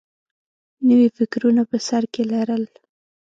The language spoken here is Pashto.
نوي فکرونه په سر کې لرل